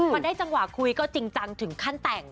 พอได้จังหวะคุยก็จริงจังถึงขั้นแต่ง